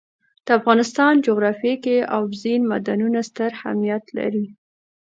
د افغانستان جغرافیه کې اوبزین معدنونه ستر اهمیت لري.